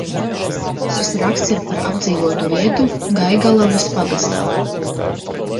Šis raksts ir par apdzīvotu vietu Gaigalavas pagastā.